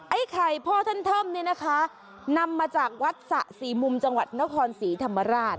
ไอ้ไข่พ่อท่านเทิมเนี่ยนะคะนำมาจากวัดสะสี่มุมจังหวัดนครศรีธรรมราช